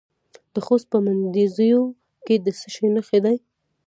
د خوست په مندوزیو کې د څه شي نښې دي؟